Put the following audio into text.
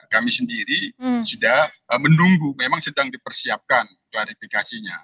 kami sendiri sudah menunggu memang sedang dipersiapkan klarifikasinya